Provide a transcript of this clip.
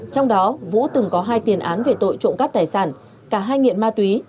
trong đó vũ từng có hai tiền án về tội trộm cắp tài sản cả hai nghiện ma túy